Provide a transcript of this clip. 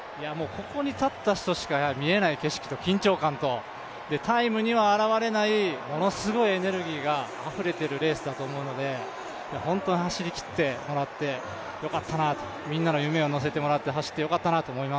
ここに立った人にしか見えない景色と緊張感とタイムには表れないものすごいエネルギーがあふれているレースだと思うので本当に走りきってもらって良かったなとみんなの夢を乗せて走ってもらって